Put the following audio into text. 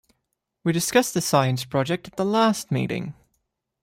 We discussed the science project at the last meeting.